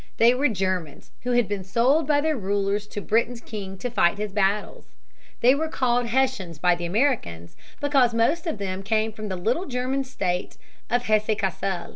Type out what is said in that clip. They were Germans, who had been sold by their rulers to Britain's king to fight his battles. They were called Hessians by the Americans because most of them came from the little German state of Hesse Cassel.